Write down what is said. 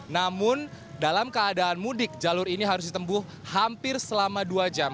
namun dalam keadaan mudik jalur ini harus ditempuh hampir selama dua jam